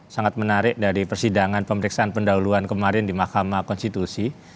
sangat menarik dari persidangan pemeriksaan pendahuluan kemarin di mahkamah konstitusi